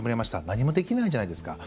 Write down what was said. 何もできないじゃないですか。